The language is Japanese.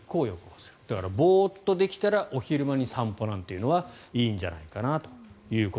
ですから、ボーッとできたらお昼間に散歩なんていうのはいいんじゃないかと。